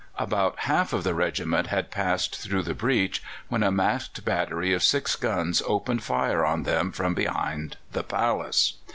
About half of the regiment had passed through the breach, when a masked battery of six guns opened fire on them from behind the palace.